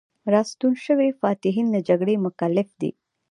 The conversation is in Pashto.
راستون شوي فاتحین له جګړې مکلف دي.